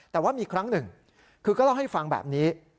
แต่ว่ามีครั้งหนึ่งคือก็เล่าให้ฟังแบบนี้